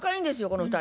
この２人。